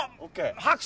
拍手！